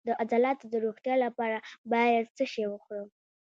د عضلاتو د روغتیا لپاره باید څه شی وخورم؟